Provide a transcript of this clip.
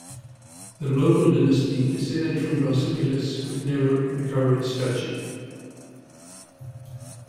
The local dynasty, descended from Docibilis, would never recover its duchy.